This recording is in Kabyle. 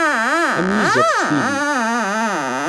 Am yizi af tfidi.